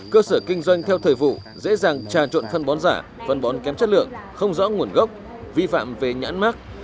cơ sở kinh doanh theo thời vụ dễ dàng tra trộn phân bón giả phân bón kém chất lượng không rõ nguồn gốc vi phạm về nhãn mát